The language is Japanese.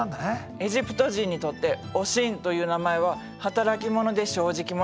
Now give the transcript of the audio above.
エジプト人にとって「おしん」という名前は働き者で正直者。